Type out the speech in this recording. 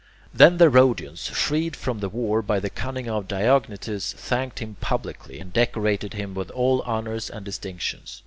Then the Rhodians, freed from the war by the cunning of Diognetus, thanked him publicly, and decorated him with all honours and distinctions.